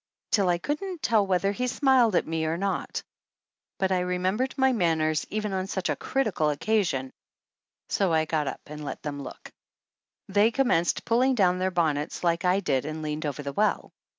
till I couldn't tell whether he smiled at me or not ; but I remembered my man ners even on such a critical occasion, so I got up and let them look. They commenced pulling down their bonnets like I did and leaned over the well.